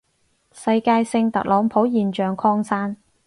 世界性特朗普現象擴散